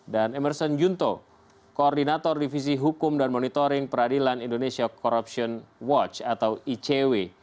dan emerson junto koordinator divisi hukum dan monitoring peradilan indonesia corruption watch atau icw